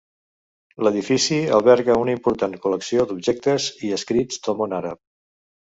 L'edifici alberga una important col·lecció d'objectes i escrits del món àrab.